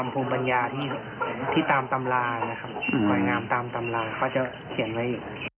ภูมิปัญญาที่ตามตำรานะครับสวยงามตามตำราเขาจะเขียนไว้